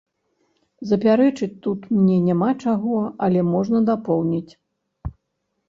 Запярэчыць тут мне няма чаго, але можна дапоўніць.